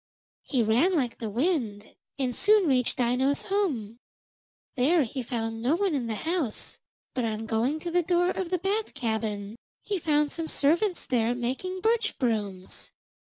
He ran like the wind, and soon reached Aino's home. There he found no one in the house, but on going to the door of the bath cabin he found some servants there making birch brooms.